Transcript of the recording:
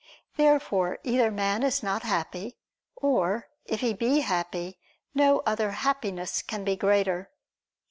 Therefore either man is not happy; or, if he be happy, no other Happiness can be greater.